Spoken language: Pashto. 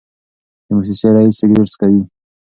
د موسسې رییس سګرټ څکوي.